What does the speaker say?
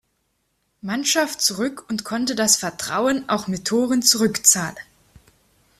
Mannschaft zurück und konnte das Vertrauen auch mit Toren zurückzahlen.